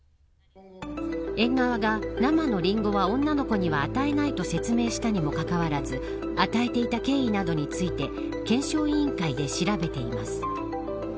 園側が生のリンゴは女の子には与えないと説明したにもかかわらず与えていた経緯などについて検証委員会で調べています。